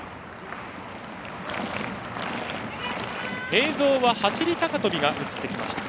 映像は、走り高跳びが映ってきました。